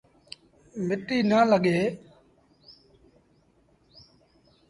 مٽيٚ نا لڳي